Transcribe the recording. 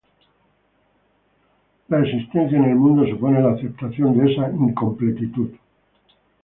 La existencia en el mundo supone la aceptación de esa incompletitud.